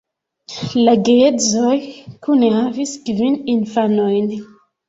La geedzoj kune havis kvin infanojn.